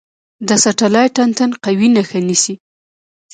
د سټلایټ انتن قوي نښه نیسي.